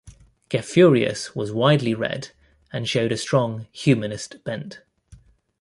Gaffurius was widely read, and showed a strong humanist bent.